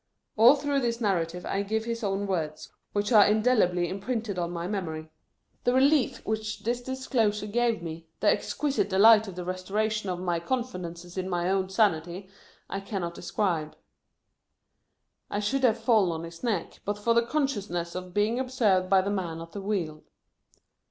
(All through this narrative I give his own words, which are indelibly imprinted on my memory.) The relief which this disclosure gave me, the exquisite delight of the restoration of my confidence in my own sanity, I cannot describe. I should have fallen on his neck, but for the consciousness of being observed by the man at the wheel.